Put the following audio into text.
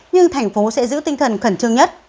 nhưng thành phố sẽ giữ tinh thần khẩn trương nhất